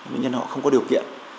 bệnh nhân họ không có điều kiện